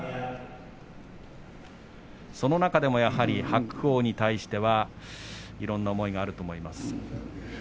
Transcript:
その中でも白鵬に対してはいろんな思い出があると思います。